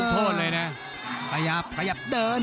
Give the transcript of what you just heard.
ภูตวรรณสิทธิ์บุญมีน้ำเงิน